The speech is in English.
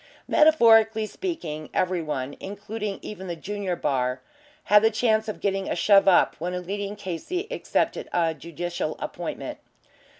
Metaphorically speaking, every one including even the junior bar had the chance of getting a shove up when a leading K.C. accepted a judicial appointment.